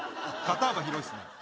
肩幅広いっすね